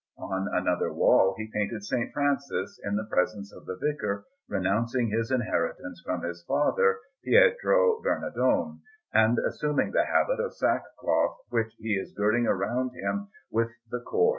On another wall he painted S. Francis, in the presence of the vicar, renouncing his inheritance from his father, Pietro Bernardone, and assuming the habit of sackcloth, which he is girding round him with the cord.